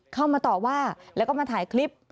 เข้ามาต่อว่าแล้วก็มาถ่ายคลิป